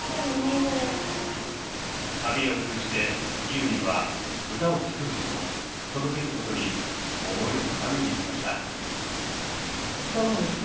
旅を通じてユーミンは歌を作ること届けることに思いを深めていきました。